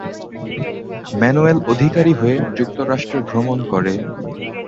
Manuel অধিকারী হয়ে যুক্তরাষ্ট্রে ভ্রমণ করে।